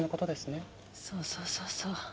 そうそうそうそう。